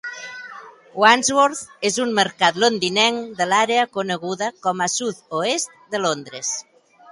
Wandsworth és un mercat londinenc de l'àrea coneguda com a Sud-oest de Londres.